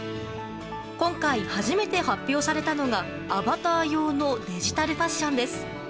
今回初めて発表されたのがアバター用のデジタルファッションです。